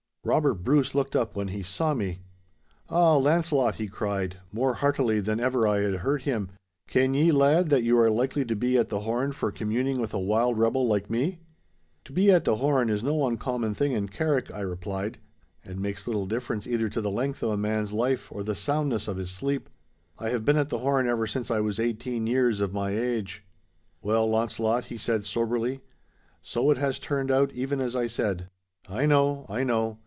Robert Bruce looked up when he saw me. 'Ah, Launcelot,' he cried, more heartily than ever I had heard him, 'ken ye, lad, that you are likely to be at the horn for communing with a wild rebel like me?' 'To be "at the horn" is no uncommon thing in Carrick,' I replied, 'and makes little difference either to the length of a man's life or the soundness of his sleep. I have been at the horn ever since I was eighteen years of my age.' 'Well, Launcelot,' he said soberly, 'so it has turned out even as I said. I know—I know.